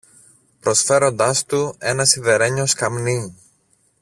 προσφέροντάς του ένα σιδερένιο σκαμνί.